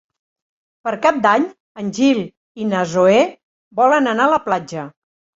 Per Cap d'Any en Gil i na Zoè volen anar a la platja.